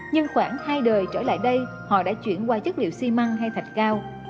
nhưng khoảng hai đời trở lại đây họ đã chuyển qua chất liệu xi măng hay thạch cao